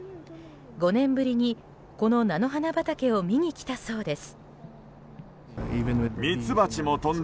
５年ぶりに、この菜の花畑を見に来たそうです。